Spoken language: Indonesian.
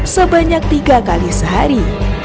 sebanyak tiga kali sehari